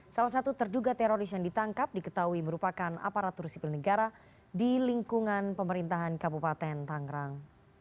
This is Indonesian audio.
salah satu terduga teroris yang ditangkap diketahui merupakan aparatur sipil negara di lingkungan pemerintahan kabupaten tangerang